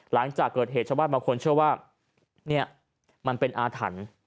หลังจากเกิดเหตุชาวบ้านบางคนเชื่อว่าเนี่ยมันเป็นอาถรรพ์